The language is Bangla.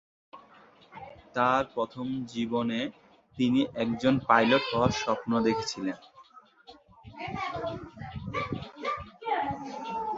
তার প্রথম জীবনে, তিনি একজন পাইলট হওয়ার স্বপ্ন দেখেছিলেন।